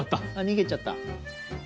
逃げちゃった。